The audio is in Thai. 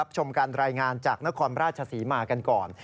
ชมการรายงานจากนครราชศรีมากันก่อน